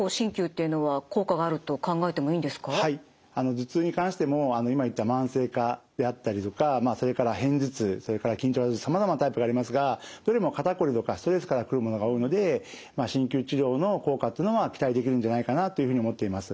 頭痛に関しても今言った慢性化であったりとかそれから片頭痛それから緊張型頭痛さまざまなタイプがありますがどれも肩こりとかストレスから来るものが多いので鍼灸治療の効果というのは期待できるんじゃないかなというふうに思っています。